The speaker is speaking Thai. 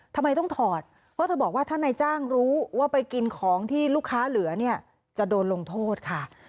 ทำไมต้องถอดเพราะเธอบอกว่าถ้านายจ้างรู้ว่าไปกินของที่ลูกค้าเหลือเนี่ยจะโดนลงโทษค่ะ